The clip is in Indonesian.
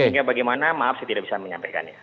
sehingga bagaimana maaf saya tidak bisa menyampaikan ya